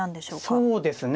そうですね